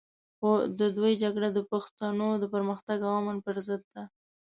خو د دوی جګړه د پښتنو د پرمختګ او امن پر ضد ده.